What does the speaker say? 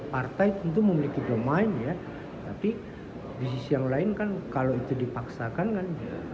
partai tentu memiliki domain ya tapi di sisi yang lain kan kalau itu dipaksakan kan